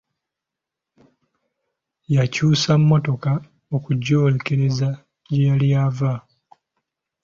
Yakyusa mmotoka okugyolekeza gye yali eva.